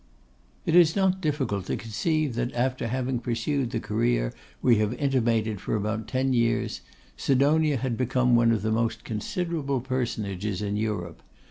It is not difficult to conceive that, after having pursued the career we have intimated for about ten years, Sidonia had become one of the most considerable personages in Europe.